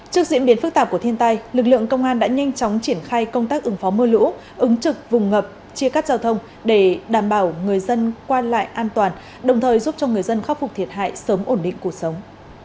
trước diễn biến phức tạp của thiên tai lực lượng công an đã nhanh chóng triển khai công tác ứng phó mưa lũ ứng trực vùng ngập chia cắt giao thông để đảm bảo người dân qua lại an toàn đồng thời giúp cho người dân khắc phục thiệt hại sớm ổn định cuộc sống